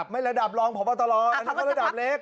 ไม่ระดับรองผอบอตรออันนี้ก็ระดับเล็ก